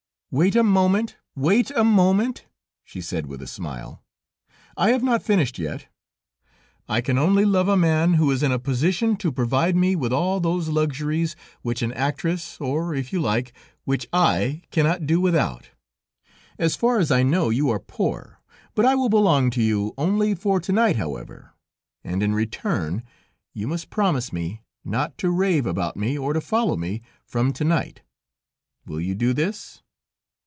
"Wait a moment! Wait a moment!" she said with a smile. "I have not finished yet. I can only love a man who is in a position to provide me with all those luxuries which an actress, or, if you like, which I cannot do without. As far as I know, you are poor, but I will belong to you, only for to night, however, and in return you must promise me not to rave about me, or to follow me, from to night. Will you do this?"